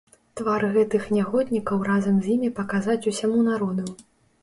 Твар гэтых нягоднікаў разам з імі паказаць усяму народу!